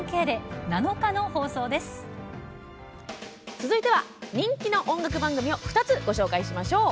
続いては人気の音楽番組を２つご紹介しましょう。